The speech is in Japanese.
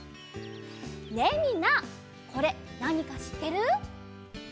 ねえみんなこれなにかしってる？